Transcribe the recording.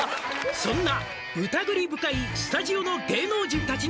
「そんな疑り深いスタジオの芸能人たちにも」